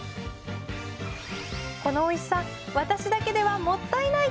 このおいしさ私だけではもったいない！